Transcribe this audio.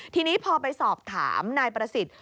ทีนี้พอไปสอบถามนายประสิทธิ์